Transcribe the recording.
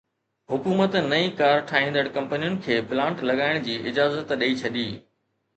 حڪومت نئين ڪار ٺاهيندڙ ڪمپنين کي پلانٽ لڳائڻ جي اجازت ڏئي ڇڏي